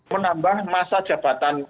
menambah masa jabatan